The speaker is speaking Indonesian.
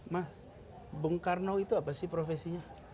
mah bung karno itu apa sih profesinya